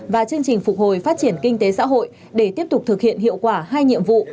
và chương trình phục hồi phát triển kinh tế xã hội để tiếp tục thực hiện hiệu quả hai nhiệm vụ